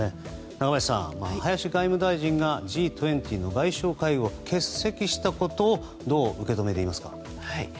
中林さん、林外務大臣がＧ２０の外相会合を欠席したことをどう受け止めていますか？